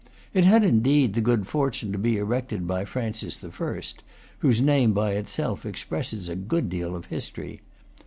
It had indeed the good for tune to be erected by Francis I., whose name by itself expresses a good deal of history.